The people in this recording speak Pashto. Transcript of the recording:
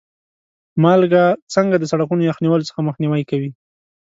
مالګه څنګه د سړکونو یخ نیولو څخه مخنیوی کوي؟